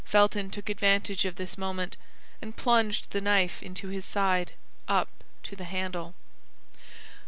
Felton took advantage of this moment, and plunged the knife into his side up to the handle.